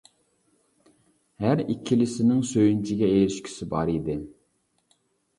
ھەر ئىككىلىسىنىڭ سۆيۈنچىگە ئېرىشكۈسى بار ئىدى.